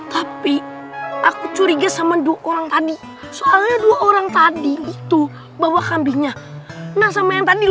tapi aku curiga sama dua orang tadi soalnya dua orang tadi itu bawa kambingnya nah sama yang tadi